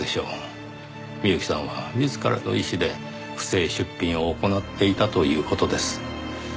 美由紀さんは自らの意思で不正出品を行っていたという事です。